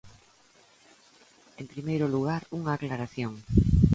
En primeiro lugar, unha aclaración.